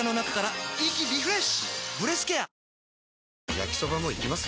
焼きソバもいきます？